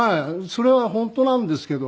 それは本当なんですけど。